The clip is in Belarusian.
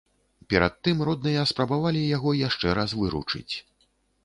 Перад тым родныя спрабавалі яго яшчэ раз выручыць.